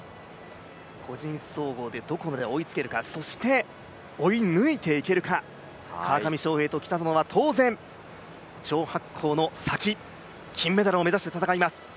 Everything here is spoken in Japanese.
個人総合でどこまで追いつけるかそして追い抜いていけるか川上翔平と北園は当然、張博恒の先金メダルを目指して戦います。